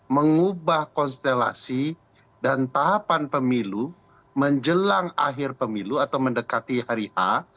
mengubah konstelasi dan tahapan pemilu menjelang akhir pemilu atau mendekati hari a